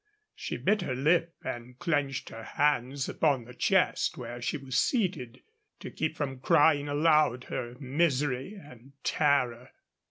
She bit her lip and clenched her hands upon the chest where she was seated, to keep from crying aloud her misery and terror.